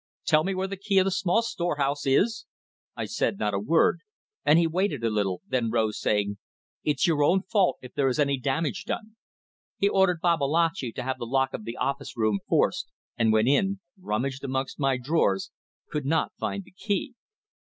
Tell me where the key of the small storehouse is?' I said not a word, and he waited a little, then rose, saying: 'It's your own fault if there is any damage done.' He ordered Babalatchi to have the lock of the office room forced, and went in rummaged amongst my drawers could not find the key.